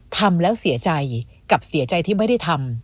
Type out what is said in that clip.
ทำแล้วเสียใจกับเสียใจที่ไม่ได้ทำ